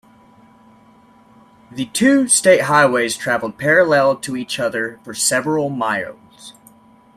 The two state highways traveled parallel to each other for several miles.